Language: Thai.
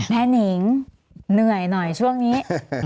นิงเหนื่อยหน่อยช่วงนี้